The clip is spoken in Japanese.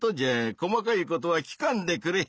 細かいことは聞かんでくれ。